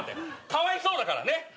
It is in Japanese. かわいそうだから。